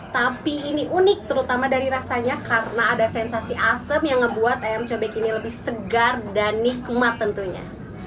tapi ini unik terutama dari rasanya karena ada sensasi asem yang membuat ayam cobek ini lebih segar dan nikmat tentunya